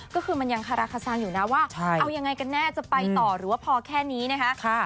ก็คือมันยังคาราคาซังอยู่นะว่าเอายังไงกันแน่จะไปต่อหรือว่าพอแค่นี้นะคะ